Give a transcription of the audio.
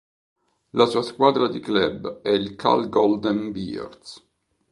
La sua squadra di club è il Cal Golden Bears.